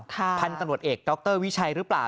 ท่านตนวดเอกดรวิชัยรึเปล่า